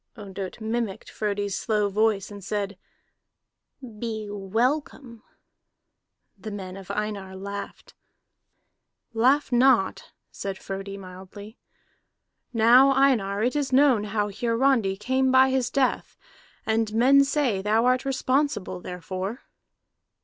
Ondott mimicked Frodi's slow voice, and said: "Be welcome." The men of Einar laughed. "Laugh not," said Frodi mildly. "Now, Einar, it is known how Hiarandi came by his death, and men say thou art responsible therefor."